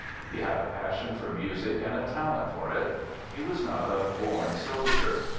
He had a passion for music and a talent for it. He was not a " born soldier."